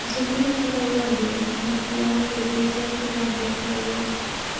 زرګونه کاله وړاندې نبطیانو په دې ځای کې بند جوړ کړی و.